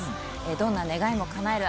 どんな願いもかなえる